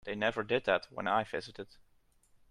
They never did that when I visited.